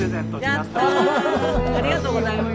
ありがとうございます。